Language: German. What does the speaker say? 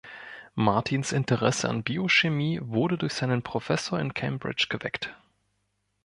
Martins Interesse an Biochemie wurde durch seinen Professor in Cambridge geweckt.